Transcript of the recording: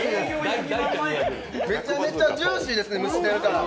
めちゃめちゃジューシーですね、蒸してるから。